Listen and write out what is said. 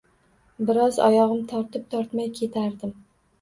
Biroz oyogʻim tortib tortmay ketardim.